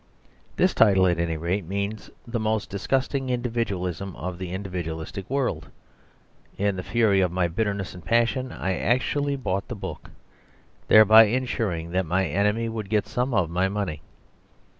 This title, at any rate, means the most disgusting individualism of this individualistic world. In the fury of my bitterness and passion I actually bought the book, thereby ensuring that my enemy would get some of my money.